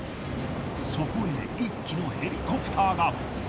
そこへ一機のヘリコプターが。